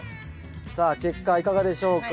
さあ結果いかがでしょうか。